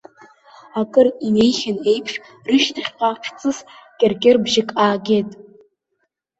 Акыр иҩеихьан еиԥш, рышьҭахьҟа ҽҵыс кьыркьыр бжьык аагеит.